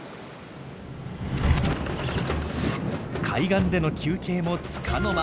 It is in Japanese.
海岸での休憩もつかの間。